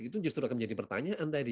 itu justru akan menjadi pertanyaan tadi